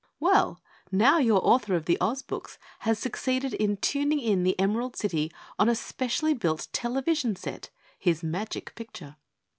Well, now, your author of the Oz books has succeeded in tuning in the Emerald City on a specially built television set his "magic picture."